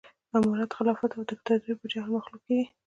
امارت خلافت او ديکتاتوري به جاهل مخلوق کېږي